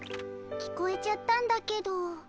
聞こえちゃったんだけど。